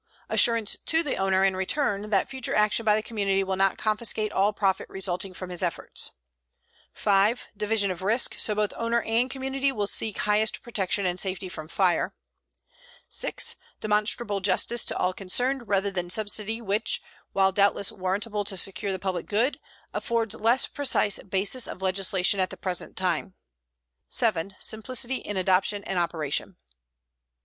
Assurance to the owner in return that future action by the community will not confiscate all profit resulting from his effort. 5. Division of risk, so both owner and community will seek highest production and safety from fire. 6. Demonstrable justice to all concerned, rather than subsidy which, while doubtless warrantable to secure the public good, affords less precise basis of legislation at the present time. 7. Simplicity in adoption and operation.